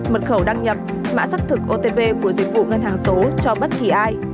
mật khẩu đăng nhập mã xác thực otp của dịch vụ ngân hàng số cho bất kỳ ai